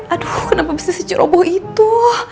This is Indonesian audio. aduh kenapa besi si curobo itu